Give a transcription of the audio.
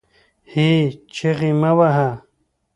هې ! چیغې مه واهه